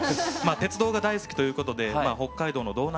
鉄道が大好きということで北海道の道南いさりび